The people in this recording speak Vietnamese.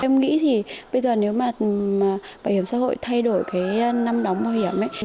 em nghĩ thì bây giờ nếu mà bảo hiểm xã hội thay đổi cái năm đóng bảo hiểm ấy